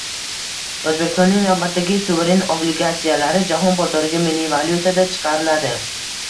O‘zbekistonning navbatdagi suveren obligatsiyalari jahon bozoriga milliy valutada chiqariladi